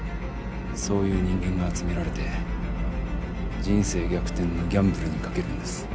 そういう人間が集められて人生逆転のギャンブルに賭けるんです